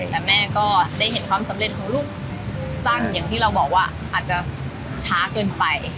แต่แม่ก็ได้เห็นความสำเร็จของลูกสั้นอย่างที่เราบอกว่าอาจจะช้าเกินไป